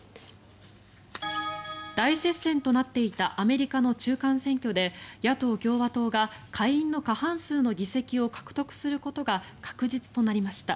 大接戦となっていたアメリカの中間選挙で野党・共和党が下院の過半数の議席を獲得することが確実となりました。